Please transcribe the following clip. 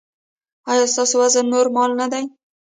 ایا ستاسو وزن نورمال نه دی؟